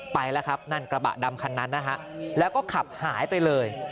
ไปแล้วครับนั่นกระบะดำคันนั้นนะฮะแล้วก็ขับหายไปเลย